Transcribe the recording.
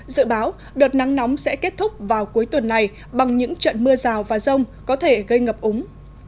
dự báo đợt nắng nóng sẽ kết thúc vào cuối tuần này bằng những trận mưa rào và rông có thể gây ngập úng